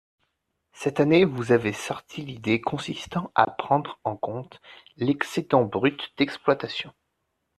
Cette année, vous avez sorti l’idée consistant à prendre en compte l’excédent brut d’exploitation.